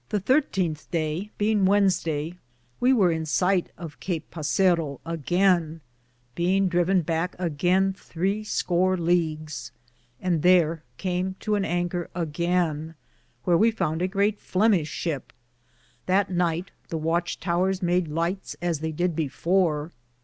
The 13th day, beinge Weddensday, we weare in sighte of Cape Passaro againe, beinge driven backe againe thre score Leagues, and thar came to an 'Anker againe, wheare we founde a greate Flemishe shipe. That nyghte the watche touers made h'ghtes as they did before.